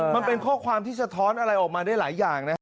มันเป็นข้อความที่สะท้อนอะไรออกมาได้หลายอย่างนะ